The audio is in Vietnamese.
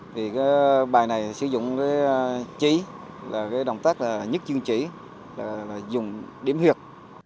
thì cái bài này sử dụng cái trí là cái động tác là nhất chương trí là dùng điểm huyệt